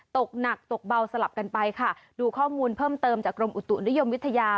ตกหนักตกเบาสลับกันไปค่ะดูข้อมูลเพิ่มเติมจากกรมอุตุนิยมวิทยา